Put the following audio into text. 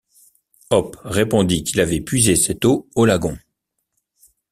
Hope répondit qu’il avait puisé cette eau au lagon.